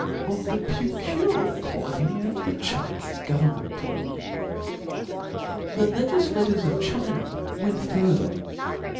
Ofthepeculiar^ality of the ChinefeGovernment^ THE legiQators of China went farther